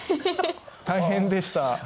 「大変でした」。